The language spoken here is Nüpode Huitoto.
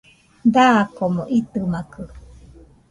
Dakomo itɨmakɨ